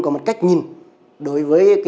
có một cách nhìn đối với